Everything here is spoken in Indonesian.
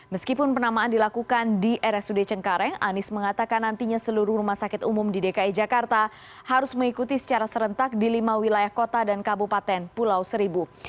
meskipun penamaan dilakukan di rsud cengkareng anies mengatakan nantinya seluruh rumah sakit umum di dki jakarta harus mengikuti secara serentak di lima wilayah kota dan kabupaten pulau seribu